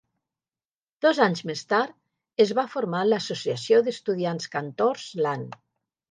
Dos anys més tard es va formar l'Associació d'Estudiants Cantors Lund.